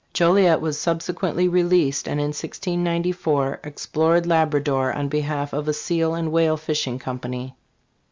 Joliet was subsequently released, and in 1694 ex plore4 Labrador on behalf of a seal and whale fishing company.